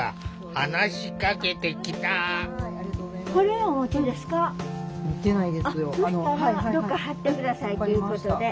そしたらどっか貼って下さいということで。